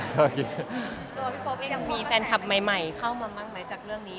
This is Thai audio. พี่ตัวพี่โป๊ปเองยังมีแฟนคลับใหม่เข้ามาบ้างไหมจากเรื่องนี้